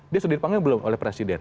dia sudah dipanggil belum oleh presiden